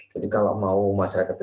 jadi kalau mau masyarakat ini